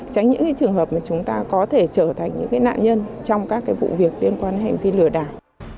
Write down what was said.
tránh những trường hợp mà chúng ta có thể trở thành những nạn nhân trong các vụ việc liên quan đến hành vi lừa đảo